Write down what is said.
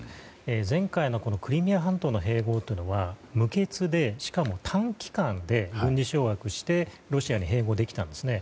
前回のクリミア半島の併合は無血で、しかも短期間で軍事掌握してロシアに併合できたんですね。